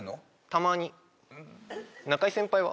たまに中居先輩は？